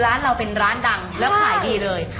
ร้านเราเป็นร้านดังแล้วขายดีเลย